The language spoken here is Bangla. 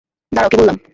দাঁড়াও, কী বললাম?